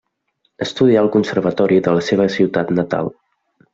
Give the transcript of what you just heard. Estudià al Conservatori de la seva ciutat natal.